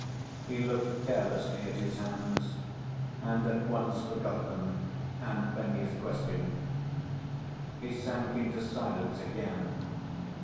He looked carelessly at his hands and at once forgot them and Fenya's question. He sank into silence again.